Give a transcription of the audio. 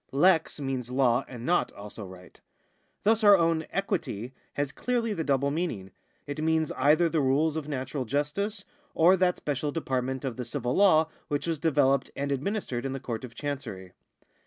Lex means law and not also right. Thus our own equity has clearly the double meaning ; it means either the rules of natural justice, or that special department of the civil law which was developed and administered in the Court of Chancery.